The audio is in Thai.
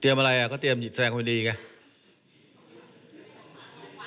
เตรียมอะไรอ่ะก็เตรียมแสงความดีไง